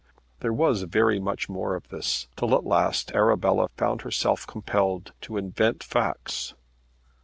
There was very much more of this, till at last Arabella found herself compelled to invent facts.